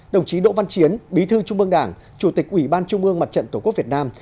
đồng chí đỗ văn chiến bí thư trung mương đảng chủ tịch ủy ban trung ương mặt trận tổ quốc việt nam